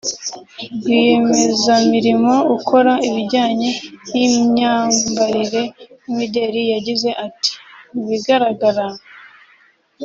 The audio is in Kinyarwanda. rwiyemezamirimo ukora ibijyanye n’imyambarire n’imideri yagize ati “Mu bigaragara